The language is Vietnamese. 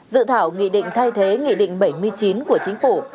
dự thảo nghị định thay thế nghị định bảy mươi chín của chính phủ